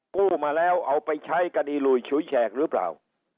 กู้มาแล้วเอาไปใช้คดีหลุยฉุยแฉกหรือเปล่า